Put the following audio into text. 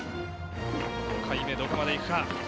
５回目どこまで行くか。